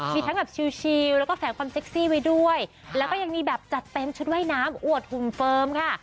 มีทั้งแบบชิลแล้วก็แฝงความเซ็กซี่ไว้ด้วยแล้วก็ยังมีแบบจัดเต็มชุดว่ายน้ำอวดหุ่นเฟิร์มค่ะ